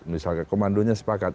misalkan komandonya sepakat